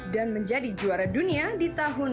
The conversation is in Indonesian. dan menjadi juara dunia di tahun dua ribu delapan belas